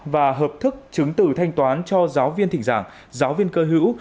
và hợp thức chứng từ thanh toán cho giáo viên thỉnh giảng giáo viên cơ hữu